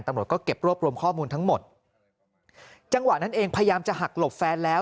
ตำรวจก็เก็บรวบรวมข้อมูลทั้งหมดจังหวะนั้นเองพยายามจะหักหลบแฟนแล้ว